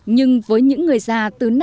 nhưng với những người già từ năm mươi